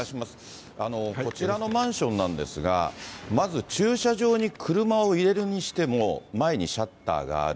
こちらのマンションなんですが、まず駐車場に車を入れるにしても、前にシャッターがある。